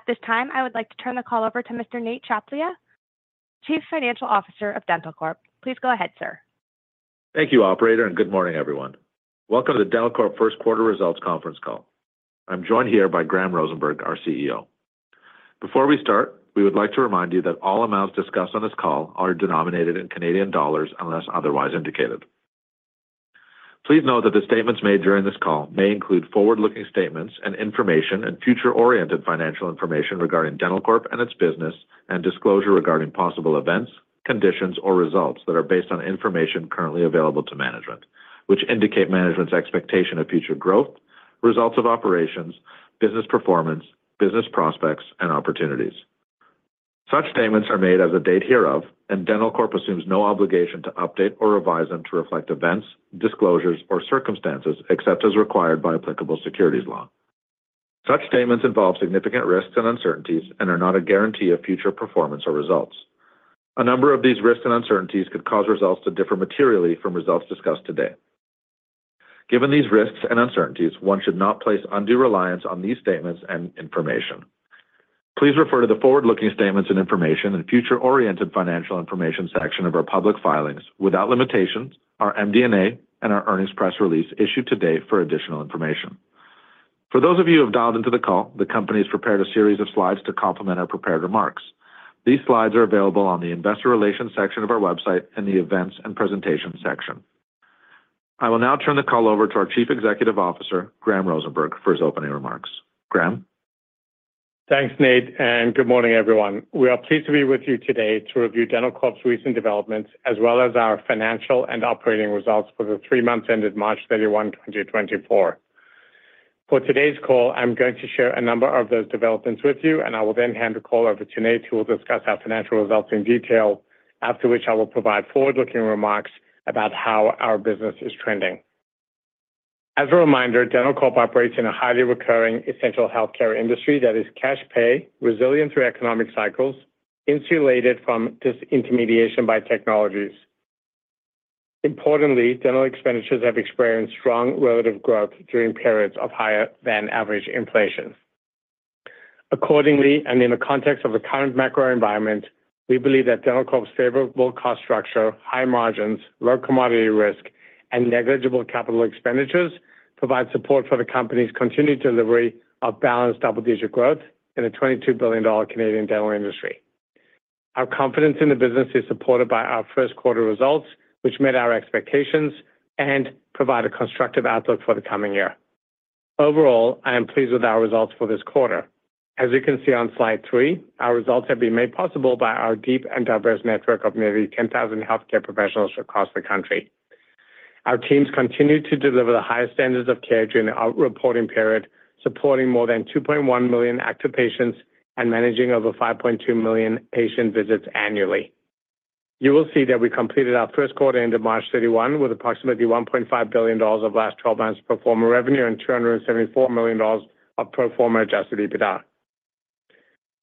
At this time, I would like to turn the call over to Mr. Nate Tchaplia, Chief Financial Officer of dentalcorp. Please go ahead, sir. Thank you, operator, and good morning, everyone. Welcome to dentalcorp first quarter results conference call. I'm joined here by Graham Rosenberg, our CEO. Before we start, we would like to remind you that all amounts discussed on this call are denominated in Canadian dollars, unless otherwise indicated. Please note that the statements made during this call may include forward-looking statements and information and future-oriented financial information regarding dentalcorp and its business, and disclosure regarding possible events, conditions, or results that are based on information currently available to management, which indicate management's expectation of future growth, results of operations, business performance, business prospects, and opportunities. Such statements are made as of date hereof, and dentalcorp assumes no obligation to update or revise them to reflect events, disclosures, or circumstances, except as required by applicable securities law. Such statements involve significant risks and uncertainties and are not a guarantee of future performance or results. A number of these risks and uncertainties could cause results to differ materially from results discussed today. Given these risks and uncertainties, one should not place undue reliance on these statements and information. Please refer to the forward-looking statements and information in the Future-Oriented Financial Information section of our public filings, without limitations, our MD&A and our earnings press release issued today for additional information. For those of you who have dialed into the call, the company has prepared a series of slides to complement our prepared remarks. These slides are available on the Investor Relations section of our website, in the Events and Presentation section. I will now turn the call over to our Chief Executive Officer, Graham Rosenberg, for his opening remarks. Graham? Thanks, Nate, and good morning, everyone. We are pleased to be with you today to review dentalcorp's recent developments, as well as our financial and operating results for the three months ended March 31, 2024. For today's call, I'm going to share a number of those developments with you, and I will then hand the call over to Nate, who will discuss our financial results in detail. After which I will provide forward-looking remarks about how our business is trending. As a reminder, dentalcorp operates in a highly recurring essential healthcare industry that is cash pay, resilient through economic cycles, insulated from disintermediation by technologies. Importantly, dental expenditures have experienced strong relative growth during periods of higher than average inflation. Accordingly, and in the context of the current macro environment, we believe that dentalcorp's favorable cost structure, high margins, low commodity risk, and negligible capital expenditures provide support for the company's continued delivery of balanced double-digit growth in the 22 billion Canadian dollars Canadian dental industry. Our confidence in the business is supported by our first quarter results, which met our expectations and provide a constructive outlook for the coming year. Overall, I am pleased with our results for this quarter. As you can see on slide three, our results have been made possible by our deep and diverse network of nearly 10,000 healthcare professionals across the country. Our teams continued to deliver the highest standards of care during our reporting period, supporting more than 2.1 million active patients and managing over 5.2 million patient visits annually. You will see that we completed our first quarter end of March 31, with approximately 1.5 billion dollars of last twelve months pro forma revenue and 274 million dollars of pro forma adjusted EBITDA.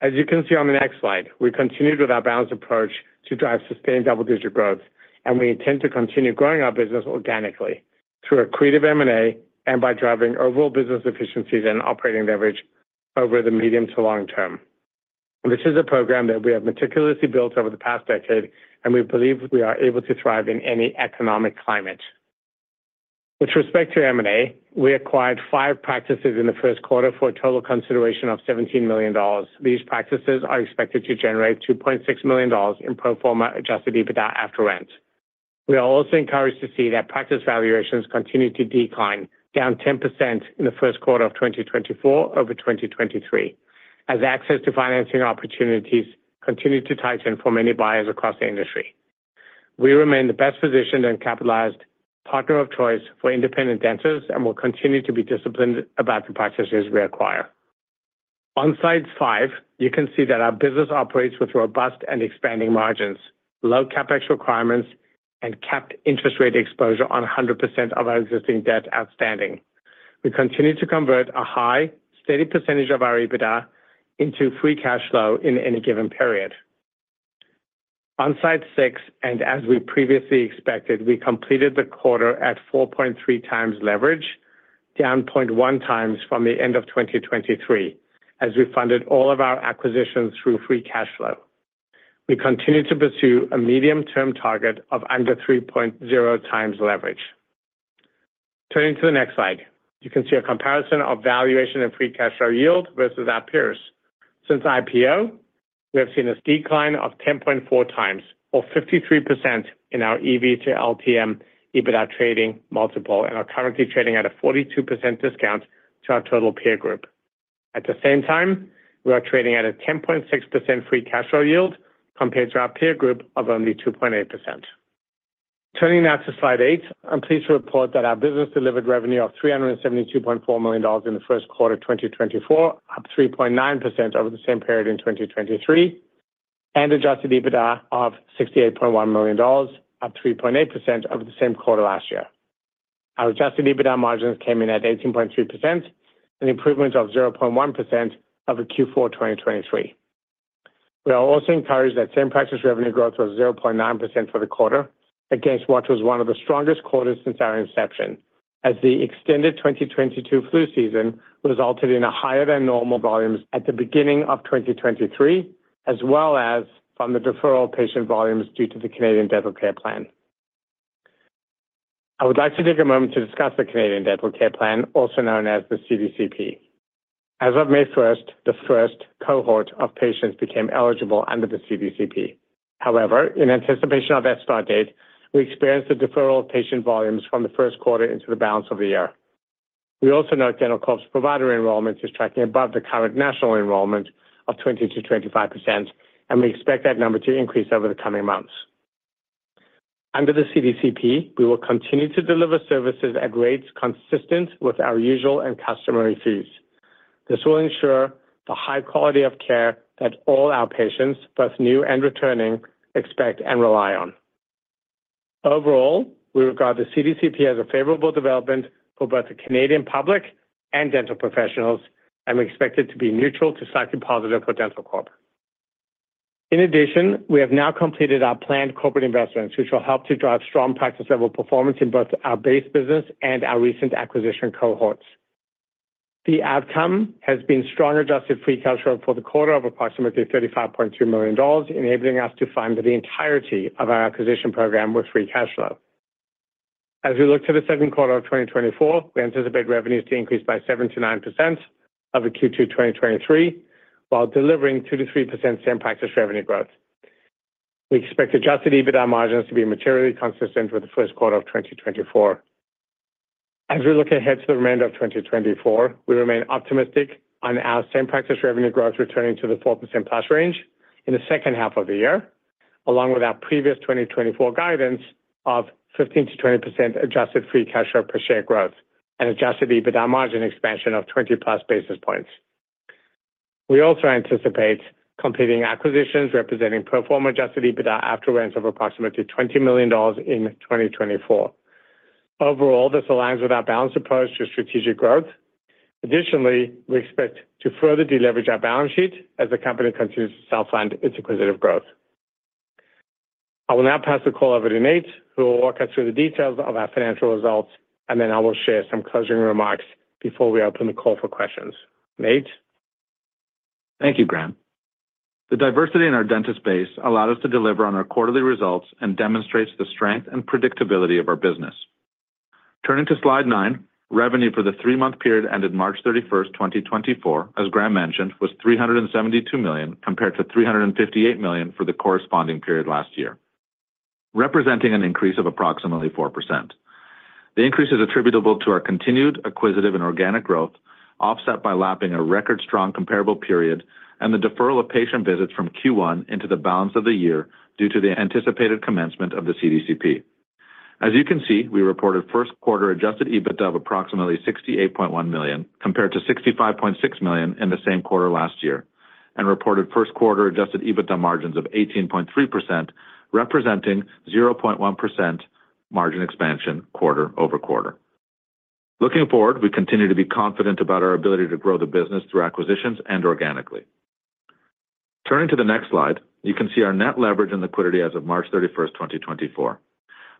As you can see on the next slide, we continued with our balanced approach to drive sustained double-digit growth, and we intend to continue growing our business organically through accretive M&A and by driving overall business efficiencies and operating leverage over the medium to long term. This is a program that we have meticulously built over the past decade, and we believe we are able to thrive in any economic climate. With respect to M&A, we acquired five practices in the first quarter for a total consideration of 17 million dollars. These practices are expected to generate 2.6 million dollars in pro forma adjusted EBITDA after rent. We are also encouraged to see that practice valuations continue to decline, down 10% in the first quarter of 2024 over 2023, as access to financing opportunities continue to tighten for many buyers across the industry. We remain the best positioned and capitalized partner of choice for independent dentists and will continue to be disciplined about the practices we acquire. On slide five, you can see that our business operates with robust and expanding margins, low CapEx requirements, and capped interest rate exposure on 100% of our existing debt outstanding. We continue to convert a high, steady percentage of our EBITDA into free cash flow in any given period. On slide 6, and as we previously expected, we completed the quarter at 4.3x leverage, down 0.1x from the end of 2023, as we funded all of our acquisitions through free cash flow. We continue to pursue a medium-term target of under 3.0x leverage. Turning to the next slide, you can see a comparison of valuation and free cash flow yield versus our peers. Since IPO, we have seen a decline of 10.4x or 53% in our EV to LTM EBITDA trading multiple and are currently trading at a 42% discount to our total peer group. At the same time, we are trading at a 10.6% free cash flow yield compared to our peer group of only 2.8%. Turning now to slide eight. I'm pleased to report that our business delivered revenue of 372.4 million dollars in the first quarter of 2024, up 3.9% over the same period in 2023, and adjusted EBITDA of 68.1 million dollars, up 3.8% over the same quarter last year. Our adjusted EBITDA margins came in at 18.3%, an improvement of 0.1% over Q4 2023. We are also encouraged that same-practice revenue growth was 0.9% for the quarter, against what was one of the strongest quarters since our inception, as the extended 2022 flu season resulted in higher-than-normal volumes at the beginning of 2023, as well as from the deferral of patient volumes due to the Canadian Dental Care Plan. I would like to take a moment to discuss the Canadian Dental Care Plan, also known as the CDCP. As of May 1, the first cohort of patients became eligible under the CDCP. However, in anticipation of that start date, we experienced the deferral of patient volumes from the first quarter into the balance of the year. We also note dentalcorp's provider enrollment is tracking above the current national enrollment of 20%-25%, and we expect that number to increase over the coming months. Under the CDCP, we will continue to deliver services at rates consistent with our usual and customary fees. This will ensure the high quality of care that all our patients, both new and returning, expect and rely on. Overall, we regard the CDCP as a favorable development for both the Canadian public and dental professionals, and we expect it to be neutral to slightly positive for dentalcorp. In addition, we have now completed our planned corporate investments, which will help to drive strong practice level performance in both our base business and our recent acquisition cohorts. The outcome has been strong adjusted free cash flow for the quarter of approximately 35.2 million dollars, enabling us to fund the entirety of our acquisition program with free cash flow. As we look to the second quarter of 2024, we anticipate revenues to increase by 7%-9% over Q2 2023, while delivering 2%-3% same-practice revenue growth. We expect adjusted EBITDA margins to be materially consistent with the first quarter of 2024. As we look ahead to the remainder of 2024, we remain optimistic on our same-practice revenue growth returning to the 4%+ range in the second half of the year, along with our previous 2024 guidance of 15%-20% adjusted free cash flow per share growth and adjusted EBITDA margin expansion of 20+ basis points. We also anticipate completing acquisitions representing pro forma adjusted EBITDA after rents of approximately 20 million dollars in 2024. Overall, this aligns with our balanced approach to strategic growth. Additionally, we expect to further deleverage our balance sheet as the company continues to self-fund its acquisitive growth. I will now pass the call over to Nate, who will walk us through the details of our financial results, and then I will share some closing remarks before we open the call for questions. Nate? Thank you, Graham. The diversity in our dentist base allowed us to deliver on our quarterly results and demonstrates the strength and predictability of our business. Turning to slide nine, revenue for the three-month period ended March 31, 2024, as Graham mentioned, was 372 million, compared to 358 million for the corresponding period last year, representing an increase of approximately 4%. The increase is attributable to our continued acquisitive and organic growth, offset by lapping a record-strong comparable period and the deferral of patient visits from Q1 into the balance of the year due to the anticipated commencement of the CDCP. As you can see, we reported first quarter Adjusted EBITDA of approximately 68.1 million, compared to 65.6 million in the same quarter last year, and reported first quarter Adjusted EBITDA margins of 18.3%, representing 0.1% margin expansion quarter-over-quarter. Looking forward, we continue to be confident about our ability to grow the business through acquisitions and organically. Turning to the next slide, you can see our net leverage and liquidity as of March 31, 2024.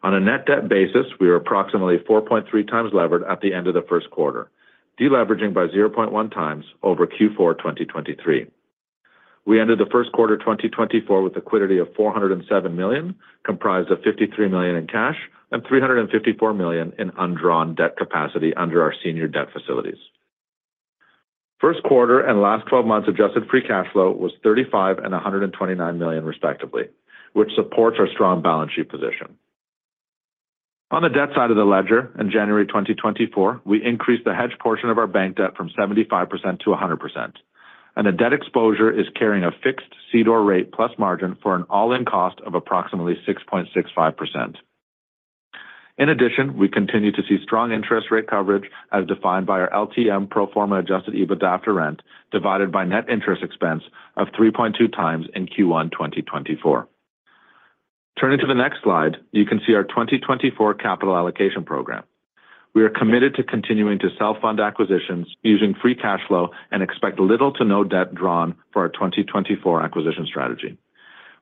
On a net debt basis, we are approximately 4.3x levered at the end of the first quarter, deleveraging by 0.1x over Q4 2023. We ended the first quarter 2024 with liquidity of 407 million, comprised of 53 million in cash and 354 million in undrawn debt capacity under our senior debt facilities. First quarter and last twelve months adjusted free cash flow was 35 million and 129 million, respectively, which supports our strong balance sheet position. On the debt side of the ledger, in January 2024, we increased the hedged portion of our bank debt from 75% to 100%, and the debt exposure is carrying a fixed CDOR rate plus margin for an all-in cost of approximately 6.65%. In addition, we continue to see strong interest rate coverage as defined by our LTM pro forma adjusted EBITDA after rent divided by net interest expense of 3.2 times in Q1 2024. Turning to the next slide, you can see our 2024 capital allocation program. We are committed to continuing to self-fund acquisitions using free cash flow and expect little to no debt drawn for our 2024 acquisition strategy.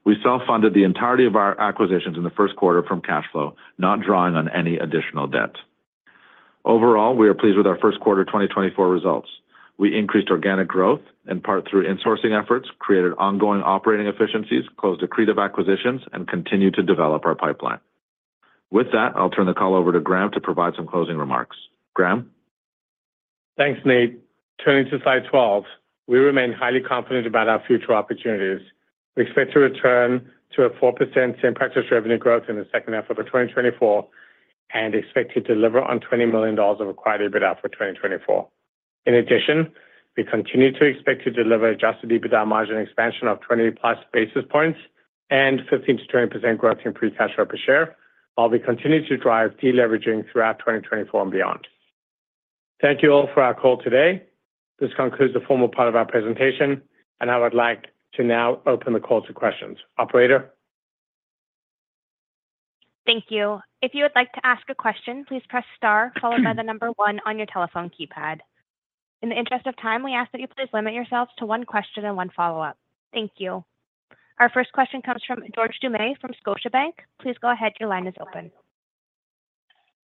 We self-funded the entirety of our acquisitions in the first quarter from cash flow, not drawing on any additional debt. Overall, we are pleased with our first quarter 2024 results. We increased organic growth, in part through insourcing efforts, created ongoing operating efficiencies, closed accretive acquisitions, and continued to develop our pipeline. With that, I'll turn the call over to Graham to provide some closing remarks. Graham? Thanks, Nate. Turning to slide 12, we remain highly confident about our future opportunities. We expect to return to a 4% same-practice revenue growth in the second half of 2024 and expect to deliver on 20 million dollars of acquired EBITDA for 2024. In addition, we continue to expect to deliver adjusted EBITDA margin expansion of 20+ basis points and 15%-20% growth in free cash flow per share, while we continue to drive deleveraging throughout 2024 and beyond. Thank you all for our call today. This concludes the formal part of our presentation, and I would like to now open the call to questions. Operator?... Thank you. If you would like to ask a question, please press star followed by the number one on your telephone keypad. In the interest of time, we ask that you please limit yourselves to one question and one follow-up. Thank you. Our first question comes from George Doumet from Scotiabank. Please go ahead. Your line is open.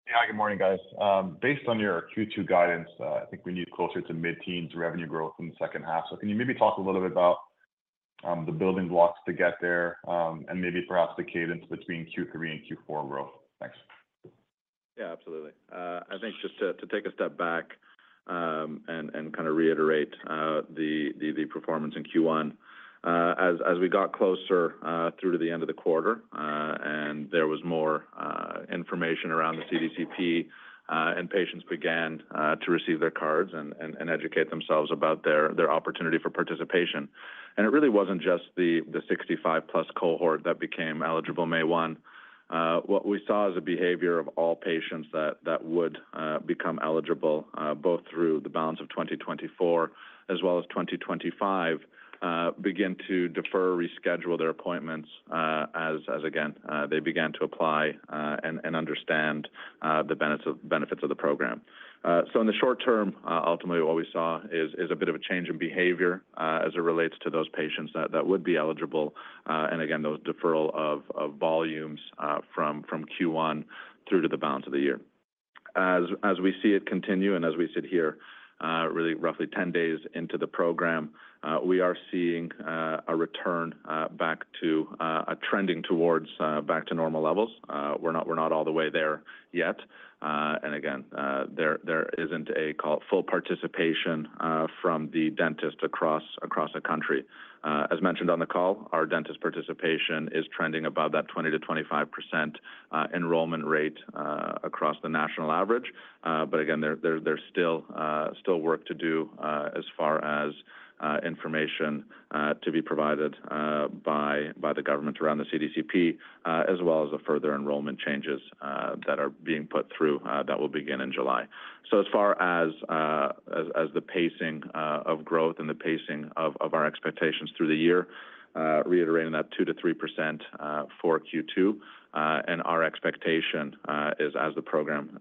Yeah, good morning, guys. Based on your Q2 guidance, I think we need closer to mid-teens revenue growth in the second half. So can you maybe talk a little bit about the building blocks to get there, and maybe perhaps the cadence between Q3 and Q4 growth? Thanks. Yeah, absolutely. I think just to take a step back, and kind of reiterate the performance in Q1. As we got closer through to the end of the quarter, and there was more information around the CDCP, and patients began to receive their cards and educate themselves about their opportunity for participation. And it really wasn't just the 65+ cohort that became eligible May 1. What we saw as a behavior of all patients that would become eligible, both through the balance of 2024 as well as 2025, begin to defer, reschedule their appointments, as again they began to apply and understand the benefits of the program. So in the short term, ultimately, what we saw is a bit of a change in behavior, as it relates to those patients that would be eligible, and again, those deferral of volumes from Q1 through to the balance of the year. As we see it continue and as we sit here, really roughly 10 days into the program, we are seeing a return back to a trending towards back to normal levels. We're not all the way there yet. And again, there isn't a full participation from the dentist across the country. As mentioned on the call, our dentist participation is trending above that 20%-25% enrollment rate across the national average. But again, there's still work to do, as far as information to be provided by the government around the CDCP, as well as the further enrollment changes that are being put through that will begin in July. So as far as the pacing of growth and the pacing of our expectations through the year, reiterating that 2%-3% for Q2, and our expectation is as the program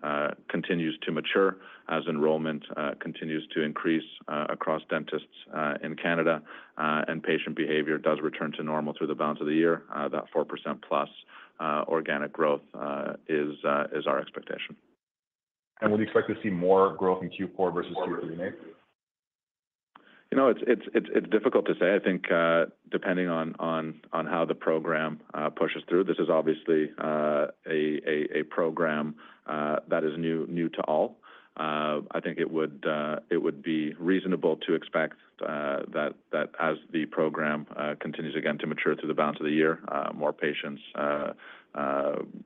continues to mature, as enrollment continues to increase across dentists in Canada, and patient behavior does return to normal through the balance of the year, that 4%+ organic growth is our expectation. Would you expect to see more growth in Q4 versus Q3, maybe? You know, it's difficult to say. I think, depending on how the program pushes through. This is obviously a program that is new to all. I think it would be reasonable to expect that as the program continues again to mature through the balance of the year, more patients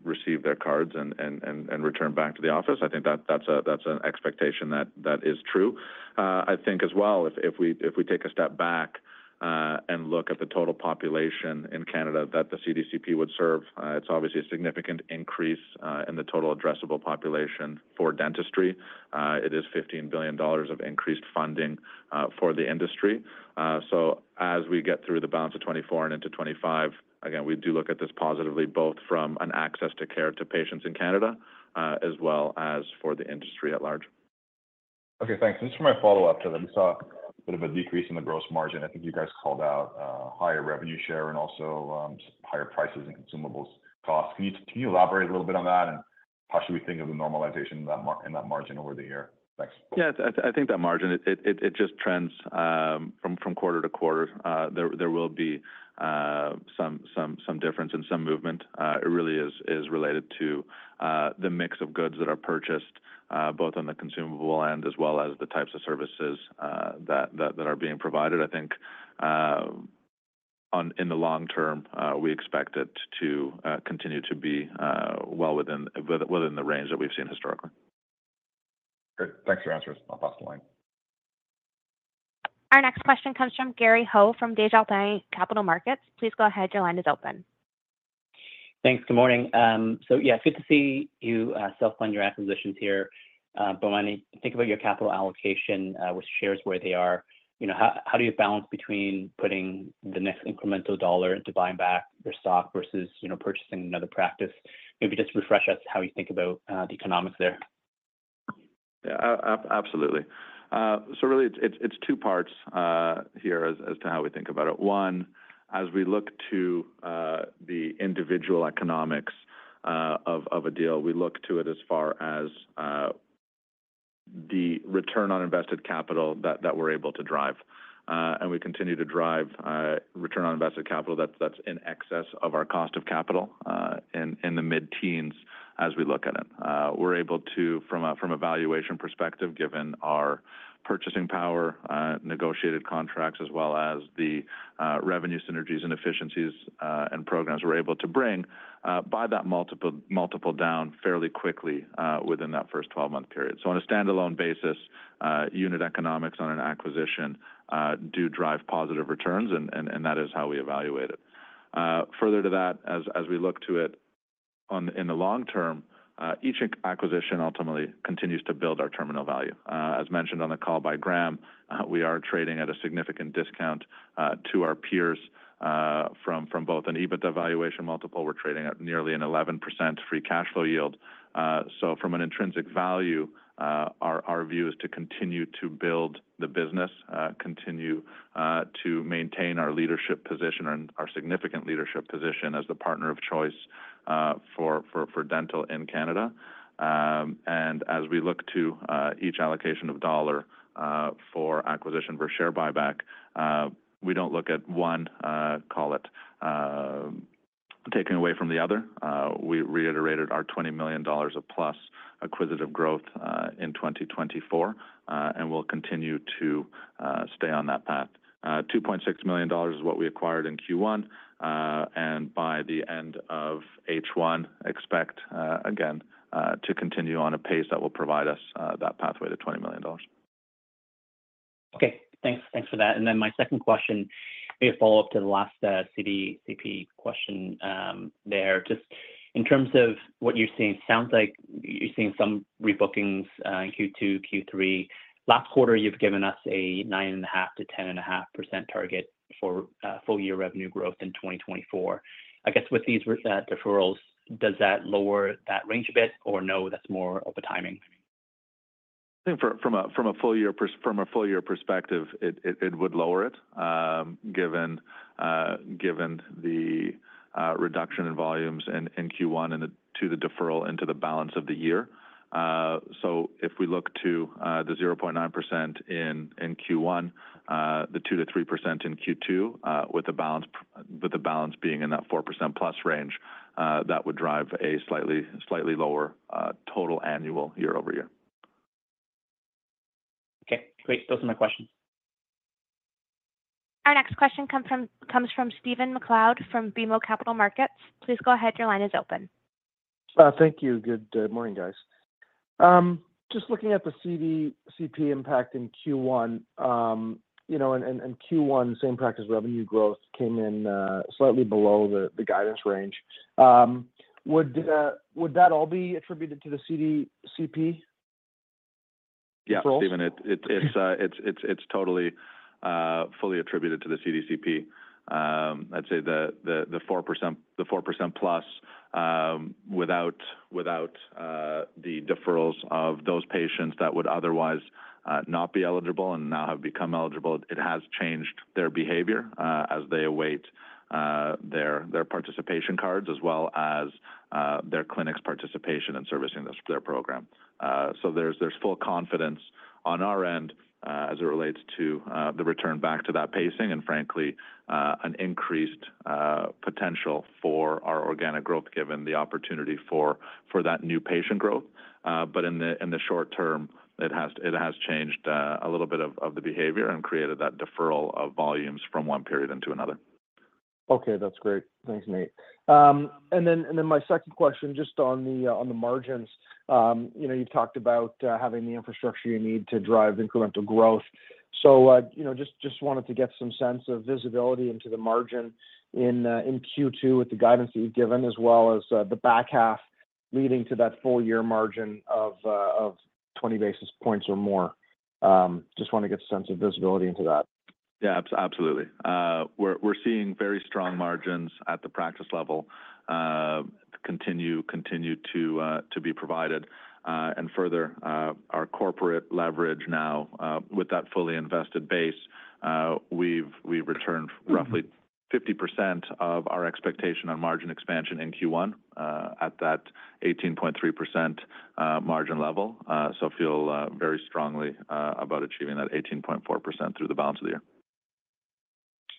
receive their cards and return back to the office. I think that's an expectation that is true. I think as well, if we take a step back and look at the total population in Canada that the CDCP would serve, it's obviously a significant increase in the total addressable population for dentistry. It is 15 billion dollars of increased funding for the industry. As we get through the balance of 2024 and into 2025, again, we do look at this positively, both from an access to care to patients in Canada, as well as for the industry at large. Okay, thanks. Just for my follow-up to that, we saw a bit of a decrease in the gross margin. I think you guys called out higher revenue share and also higher prices and consumables costs. Can you elaborate a little bit on that, and how should we think of the normalization in that margin over the year? Thanks. Yeah, I think that margin, it just trends from quarter to quarter. There will be some difference and some movement. It really is related to the mix of goods that are purchased both on the consumable end as well as the types of services that are being provided. I think in the long term we expect it to continue to be well within the range that we've seen historically. Great. Thanks for your answers. I'll pass the line. Our next question comes from Gary Ho, from Desjardins Capital Markets. Please go ahead. Your line is open. Thanks. Good morning. So yeah, good to see you self-fund your acquisitions here. But when you think about your capital allocation, with shares where they are, you know, how do you balance between putting the next incremental dollar into buying back your stock versus, you know, purchasing another practice? Maybe just refresh us how you think about the economics there. Yeah, absolutely. So really, it's two parts here as to how we think about it. One, as we look to the individual economics of a deal, we look to it as far as the return on invested capital that we're able to drive. And we continue to drive return on invested capital that's in excess of our cost of capital in the mid-teens as we look at it. We're able to, from a valuation perspective, given our purchasing power, negotiated contracts, as well as the revenue synergies and efficiencies, and programs we're able to bring, by that multiple down fairly quickly within that first 12-month period. So on a standalone basis, unit economics on an acquisition do drive positive returns, and that is how we evaluate it. Further to that, as we look to it on, in the long term, each acquisition ultimately continues to build our terminal value. As mentioned on the call by Graham, we are trading at a significant discount to our peers from both an EBITDA valuation multiple, we're trading at nearly an 11% free cash flow yield. So from an intrinsic value, our view is to continue to build the business, continue to maintain our leadership position and our significant leadership position as the partner of choice for dental in Canada. And as we look to each allocation of dollar for acquisition, for share buyback, we don't look at one, call it, taking away from the other. We reiterated our 20 million dollars of plus acquisitive growth in 2024, and we'll continue to stay on that path. 2.6 million dollars is what we acquired in Q1, and by the end of H1, expect again to continue on a pace that will provide us that pathway to 20 million dollars. Okay, thanks. Thanks for that. And then my second question, a follow-up to the last, CDCP question, there. Just in terms of what you're seeing, sounds like you're seeing some rebookings, in Q2, Q3. Last quarter, you've given us a 9.5%-10.5% target for full year revenue growth in 2024. I guess, with these, deferrals, does that lower that range a bit, or no, that's more of a timing? I think from a full year perspective, it would lower it, given the reduction in volumes in Q1 and the deferral into the balance of the year. So if we look to the 0.9% in Q1, the 2%-3% in Q2, with the balance being in that 4%+ range, that would drive a slightly lower total annual year-over-year. Okay, great. Those are my questions. Our next question comes from Stephen MacLeod, from BMO Capital Markets. Please go ahead. Your line is open. Thank you. Good morning, guys. Just looking at the CDCP impact in Q1, you know, and Q1 same-practice revenue growth came in slightly below the guidance range. Would that all be attributed to the CDCP deferrals? Yeah, Stephen, it's totally fully attributed to the CDCP. I'd say the 4%+ without the deferrals of those patients that would otherwise not be eligible and now have become eligible, it has changed their behavior as they await their participation cards, as well as their clinic's participation in servicing this, their program. So there's full confidence on our end as it relates to the return back to that pacing, and frankly an increased potential for our organic growth, given the opportunity for that new patient growth. But in the short term, it has changed a little bit of the behavior and created that deferral of volumes from one period into another. Okay, that's great. Thanks, Nate. And then my second question, just on the margins. You know, you talked about having the infrastructure you need to drive incremental growth. So, you know, just wanted to get some sense of visibility into the margin in Q2 with the guidance that you've given, as well as the back half leading to that full year margin of 20 basis points or more. Just want to get a sense of visibility into that. Yeah, absolutely. We're seeing very strong margins at the practice level continue to be provided. And further, our corporate leverage now with that fully invested base, we've returned roughly 50% of our expectation on margin expansion in Q1 at that 18.3% margin level. So feel very strongly about achieving that 18.4% through the balance of the year.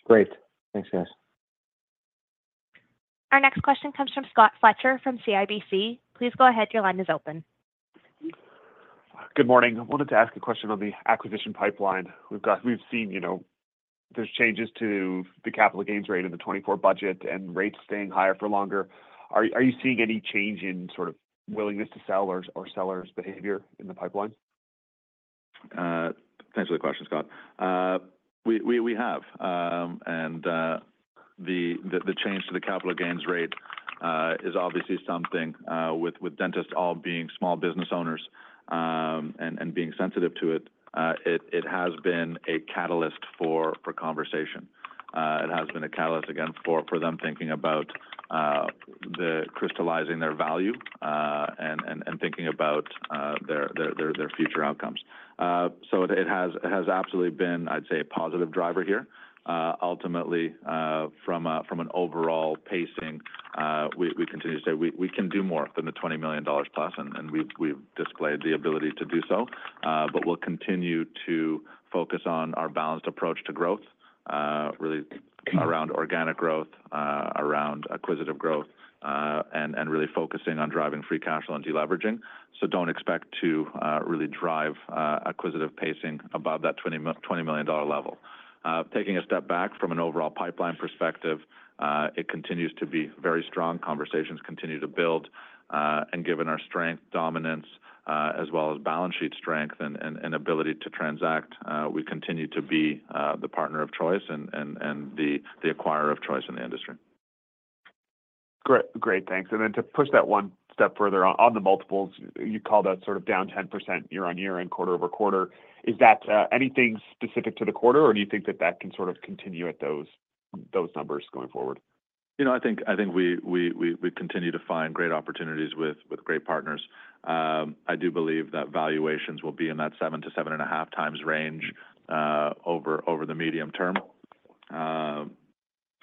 Great. Thanks, guys. Our next question comes from Scott Fletcher, from CIBC. Please go ahead. Your line is open. Good morning. I wanted to ask a question on the acquisition pipeline. We've got—we've seen, you know, there's changes to the capital gains rate in the 2024 budget and rates staying higher for longer. Are you seeing any change in sort of willingness to sell or sellers behavior in the pipeline? Thanks for the question, Scott. We have, and the change to the capital gains rate is obviously something with dentists all being small business owners, and being sensitive to it, it has been a catalyst for conversation. It has been a catalyst, again, for them thinking about the crystallizing their value, and thinking about their future outcomes. So it has absolutely been, I'd say, a positive driver here. Ultimately, from an overall pacing, we continue to say we can do more than 20 million dollars+, and we've displayed the ability to do so. But we'll continue to focus on our balanced approach to growth, really around organic growth, around acquisitive growth, and really focusing on driving free cash flow and deleveraging. So don't expect to really drive acquisitive pacing above that 20 million dollar level. Taking a step back from an overall pipeline perspective, it continues to be very strong. Conversations continue to build, and given our strength, dominance, as well as balance sheet strength and ability to transact, we continue to be the partner of choice and the acquirer of choice in the industry. Great. Great, thanks. And then to push that one step further on, on the multiples, you called that sort of down 10% year-over-year and quarter-over-quarter. Is that, anything specific to the quarter, or do you think that that can sort of continue at those, those numbers going forward? You know, I think we continue to find great opportunities with great partners. I do believe that valuations will be in that 7x-7.5x range over the medium term.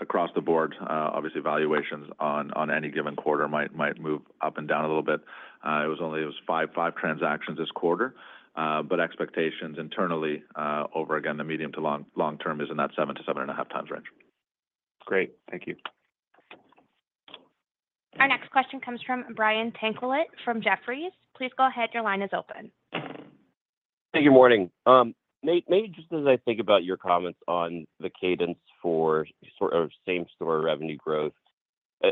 Across the board, obviously, valuations on any given quarter might move up and down a little bit. It was only—it was five transactions this quarter, but expectations internally, the medium to long term is in that 7x-7.5x range. Great, thank you. Our next question comes from Brian Tanquilut from Jefferies. Please go ahead. Your line is open. Hey, good morning. Nate, Nate, just as I think about your comments on the cadence for sort of same-practice revenue growth,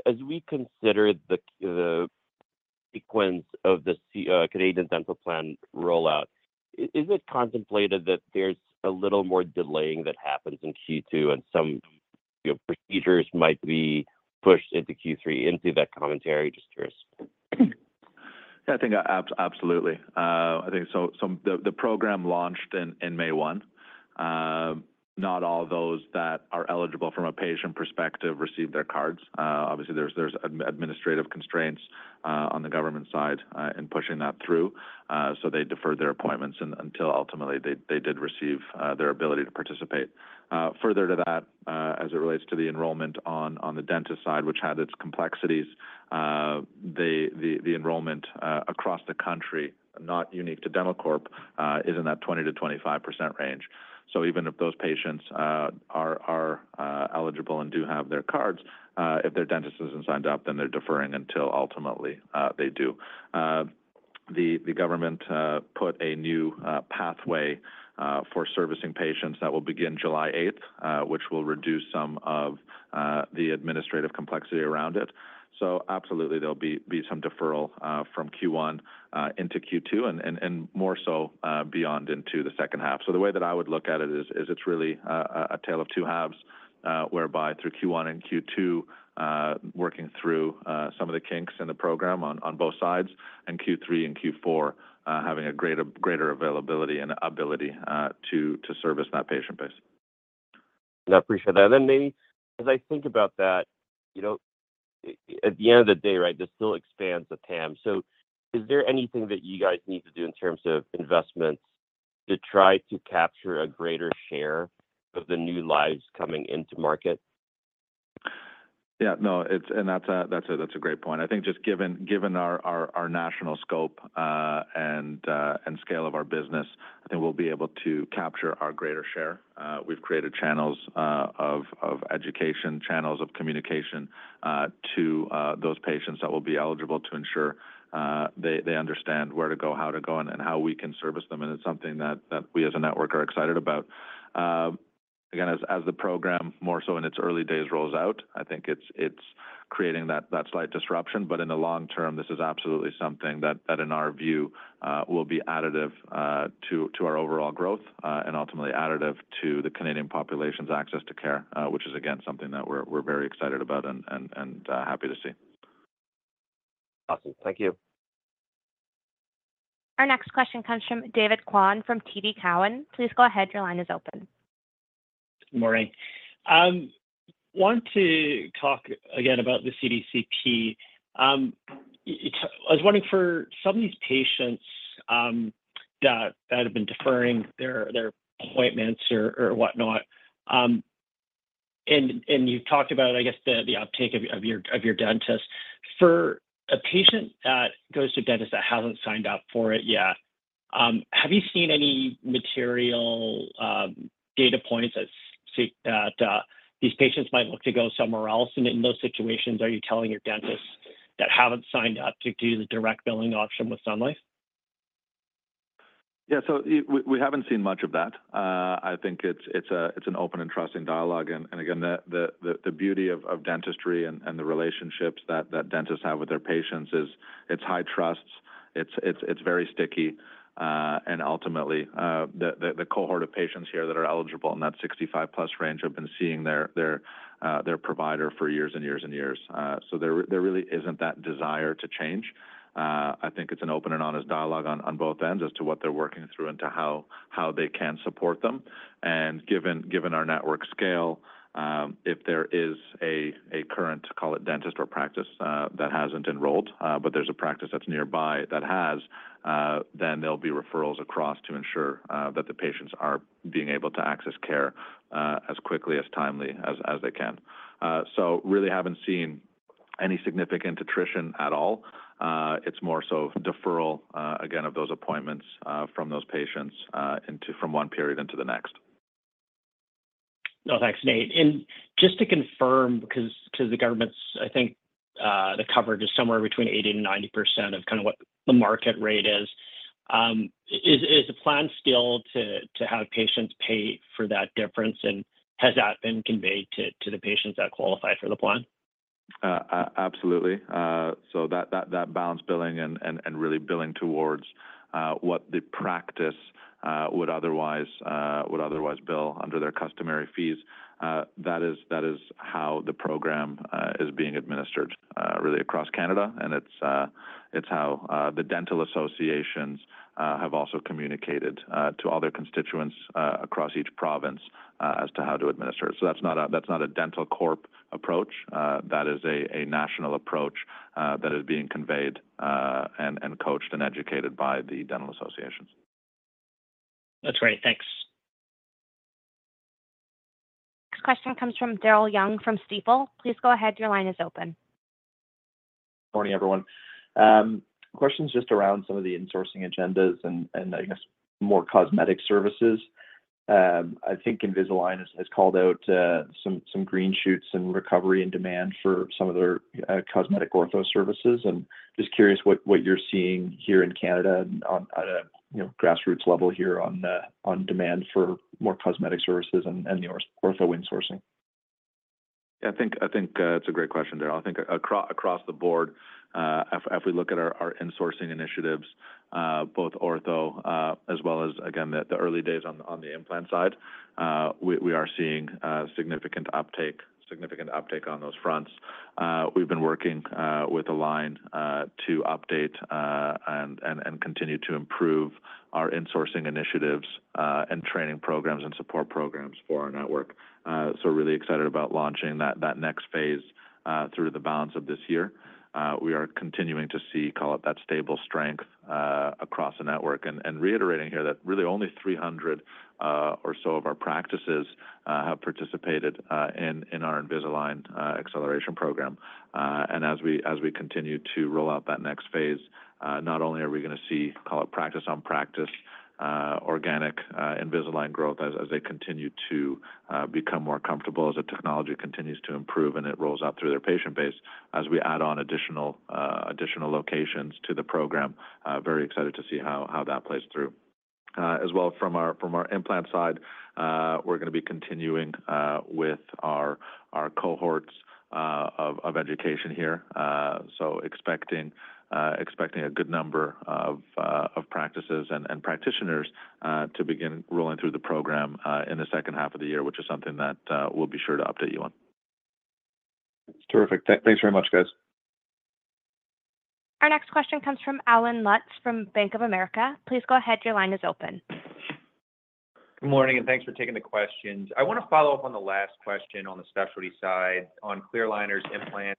as we consider the sequence of the Canadian Dental Care Plan rollout, is it contemplated that there's a little more delaying that happens in Q2, and some, you know, procedures might be pushed into Q3 into that commentary? Just curious. Yeah, I think absolutely. I think so, so the program launched in May 1. Not all those that are eligible from a patient perspective received their cards. Obviously, there's administrative constraints on the government side in pushing that through. So they deferred their appointments until ultimately they did receive their ability to participate. Further to that, as it relates to the enrollment on the dentist side, which had its complexities, the enrollment across the country, not unique to dentalcorp, is in that 20%-25% range. So even if those patients are eligible and do have their cards, if their dentist isn't signed up, then they're deferring until ultimately they do. The government put a new pathway for servicing patients that will begin July 8th, which will reduce some of the administrative complexity around it. So absolutely, there'll be some deferral from Q1 into Q2 and more so beyond into the second half. So the way that I would look at it is it's really a tale of two halves, whereby through Q1 and Q2, working through some of the kinks in the program on both sides, and Q3 and Q4, having a greater availability and ability to service that patient base. I appreciate that. Then, Nate, as I think about that, you know, at the end of the day, right, this still expands the TAM. So is there anything that you guys need to do in terms of investments to try to capture a greater share of the new lives coming into market? Yeah, no, it's a great point. I think just given our national scope and scale of our business, I think we'll be able to capture our greater share. We've created channels of education, channels of communication to those patients that will be eligible to ensure they understand where to go, how to go, and how we can service them. And it's something that we as a network are excited about. Again, as the program, more so in its early days, rolls out, I think it's creating that slight disruption. But in the long term, this is absolutely something that in our view will be additive to our overall growth and ultimately additive to the Canadian population's access to care, which is, again, something that we're very excited about and happy to see. Awesome. Thank you. Our next question comes from David Kwan from TD Cowen. Please go ahead. Your line is open. Good morning. I want to talk again about the CDCP. I was wondering for some of these patients that have been deferring their appointments or whatnot, and you've talked about, I guess, the uptake of your dentist. For a patient that goes to a dentist that hasn't signed up for it yet, have you seen any material data points that these patients might look to go somewhere else? And in those situations, are you telling your dentists that haven't signed up to do the direct billing option with Sun Life? Yeah. So we haven't seen much of that. I think it's an open and trusting dialogue. And again, the beauty of dentistry and the relationships that dentists have with their patients is, it's high trust, it's very sticky. And ultimately, the cohort of patients here that are eligible in that 65+ range have been seeing their provider for years and years and years. So there really isn't that desire to change. I think it's an open and honest dialogue on both ends as to what they're working through and how they can support them. Given our network scale, if there is a current, call it dentist or practice, that hasn't enrolled, but there's a practice that's nearby that has, then there'll be referrals across to ensure that the patients are being able to access care as quickly, as timely as they can. So really haven't seen any significant attrition at all. It's more so deferral, again, of those appointments from those patients from one period into the next. No, thanks, Nate. Just to confirm, because the government's, I think, the coverage is somewhere between 80%-90% of kind of what the market rate is, is the plan still to have patients pay for that difference? Has that been conveyed to the patients that qualify for the plan?... Absolutely. So that balance billing and really billing towards what the practice would otherwise bill under their customary fees, that is how the program is being administered really across Canada. And it's how the dental associations have also communicated to all their constituents across each province as to how to administer it. So that's not a dentalcorp approach. That is a national approach that is being conveyed and coached and educated by the dental associations. That's great. Thanks. Next question comes from Daryl Young, from Stifel. Please go ahead. Your line is open. Morning, everyone. Questions just around some of the insourcing agendas and, and I guess more cosmetic services. I think Invisalign has, has called out, some, some green shoots and recovery and demand for some of their, cosmetic ortho services. And just curious what, what you're seeing here in Canada on, at a, you know, grassroots level here on the, on demand for more cosmetic services and, and your ortho insourcing. I think it's a great question, Daryl. I think across the board, if we look at our insourcing initiatives, both ortho as well as, again, the early days on the implant side, we are seeing significant uptake on those fronts. We've been working with Align to update and continue to improve our insourcing initiatives and training programs and support programs for our network. So we're really excited about launching that next phase through the balance of this year. We are continuing to see, call it that stable strength, across the network. Reiterating here that really only 300 or so of our practices have participated in our Invisalign acceleration program. As we continue to roll out that next phase, not only are we gonna see, call it practice on practice, organic Invisalign growth as they continue to become more comfortable, as the technology continues to improve and it rolls out through their patient base as we add on additional locations to the program. Very excited to see how that plays through. As well from our implant side, we're gonna be continuing with our cohorts of education here. So expecting a good number of practices and practitioners to begin rolling through the program in the second half of the year, which is something that we'll be sure to update you on. Terrific. Thanks very much, guys. Our next question comes from Allen Lutz, from Bank of America. Please go ahead. Your line is open. Good morning, and thanks for taking the questions. I want to follow up on the last question on the specialty side, on Clearliner's implant.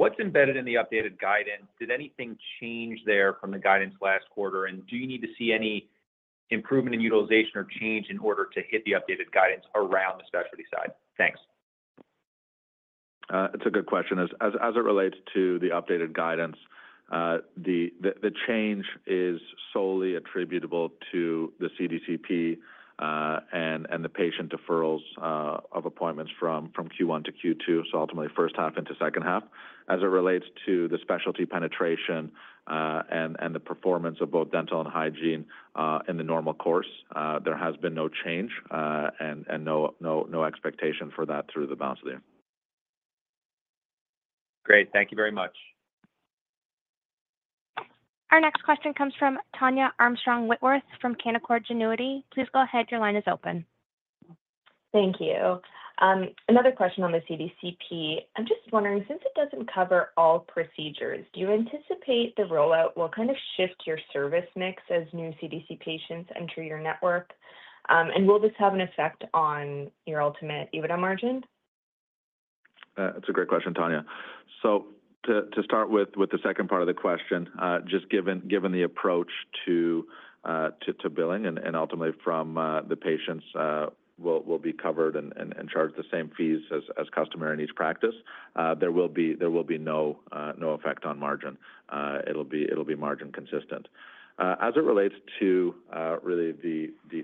What's embedded in the updated guidance? Did anything change there from the guidance last quarter? Do you need to see any improvement in utilization or change in order to hit the updated guidance around the specialty side? Thanksl It's a good question. As it relates to the updated guidance, the change is solely attributable to the CDCP, and the patient deferrals of appointments from Q1 to Q2, so ultimately first half into second half. As it relates to the specialty penetration, and the performance of both dental and hygiene, in the normal course, there has been no change, and no expectation for that through the balance of the year. Great. Thank you very much. Our next question comes from Tania Armstrong-Whitworth, from Canaccord Genuity. Please go ahead. Your line is open. Thank you. Another question on the CDCP. I'm just wondering, since it doesn't cover all procedures, do you anticipate the rollout will kind of shift your service mix as new CDC patients enter your network? And will this have an effect on your ultimate EBITDA margin? That's a great question, Tania. So to start with the second part of the question, just given the approach to billing and ultimately from the patients will be covered and charged the same fees as customary in each practice, there will be no effect on margin. It'll be margin consistent. As it relates to really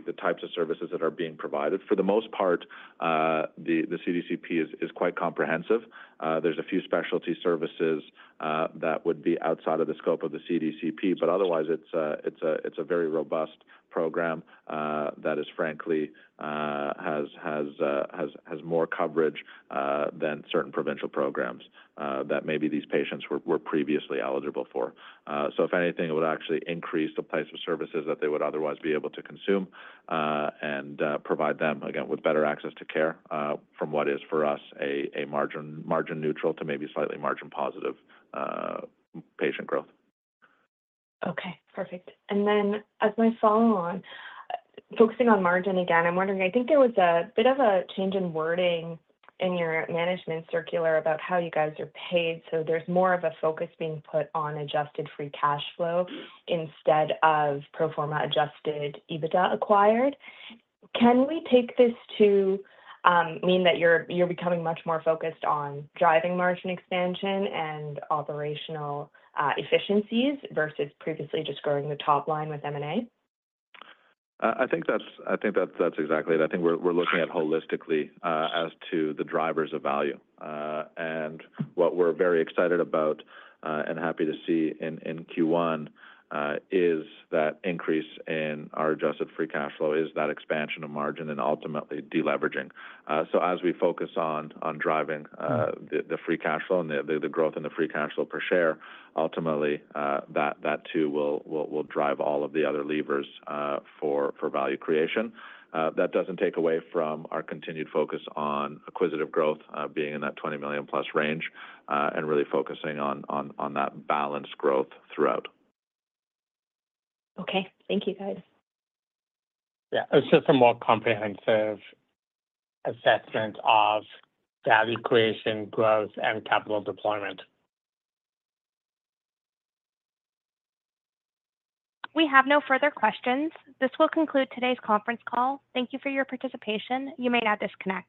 the types of services that are being provided, for the most part, the CDCP is quite comprehensive. There's a few specialty services that would be outside of the scope of the CDCP, but otherwise, it's a very robust program that frankly has more coverage than certain provincial programs that maybe these patients were previously eligible for. So if anything, it would actually increase the types of services that they would otherwise be able to consume and provide them, again, with better access to care from what is, for us, a margin neutral to maybe slightly margin positive patient growth. Okay, perfect. Then as my follow on, focusing on margin again, I'm wondering. I think there was a bit of a change in wording in your management circular about how you guys are paid. So there's more of a focus being put on adjusted free cash flow instead of pro forma adjusted EBITDA acquired. Can we take this to mean that you're becoming much more focused on driving margin expansion and operational efficiencies versus previously just growing the top line with M&A? I think that's exactly it. I think we're looking at holistically as to the drivers of value. And what we're very excited about and happy to see in Q1 is that increase in our adjusted free cash flow, is that expansion of margin and ultimately deleveraging. So as we focus on driving the free cash flow and the growth in the free cash flow per share, ultimately that too will drive all of the other levers for value creation. That doesn't take away from our continued focus on acquisitive growth, being in that 20 million+ range, and really focusing on that balanced growth throughout. Okay. Thank you, guys. Yeah. It's just a more comprehensive assessment of value creation, growth, and capital deployment. We have no further questions. This will conclude today's conference call. Thank you for your participation. You may now disconnect.